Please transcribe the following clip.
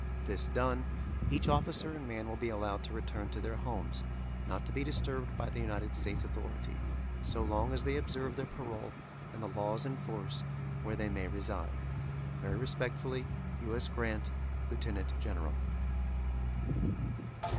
This done, each officer and man will be allowed to return to their homes, not to be disturbed by the United States authority, so long as they observe their parole and the laws in force where they may reside. Very respectfully, U. S. GRANT, Lieutenant General.